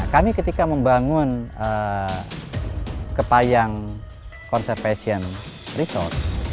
kami ketika membangun kepayang conservation resort